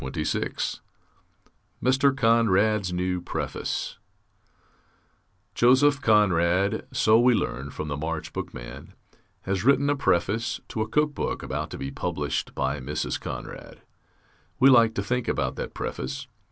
MR CONRAD'S NEW PREFACE Joseph Conrad, so we learn from the March Bookman, has written a preface to a cook book about to be published by Mrs. Conrad. We like to think about that preface.